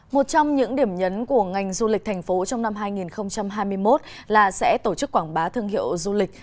một trong những điểm nhấn của ngành du lịch thành phố trong năm hai nghìn hai mươi một là sẽ tổ chức quảng bá thương hiệu du lịch